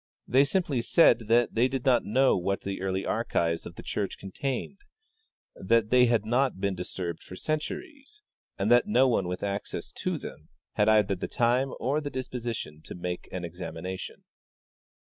They simply said that they did not know what the early archives of the church con tained ; that they had not been disturbed for centuries, and that no one with access to them had either the time or the disposi tion to make an examination.